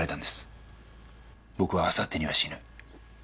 僕はあさってには死ぬ。